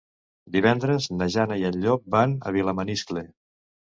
Divendres na Jana i en Llop van a Vilamaniscle.